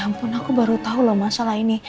ya ampun aku baru tau loh masalah ini